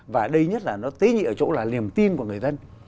và đây nhất là nó tế nhị ở chỗ là niềm tin của người dân